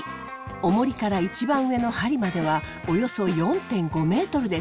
オモリから一番上の針まではおよそ４．５ｍです。